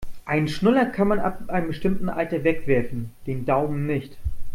Einen Schnuller kann man ab einem bestimmten Alter wegwerfen, den Daumen nicht.